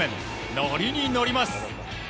乗りに乗ります。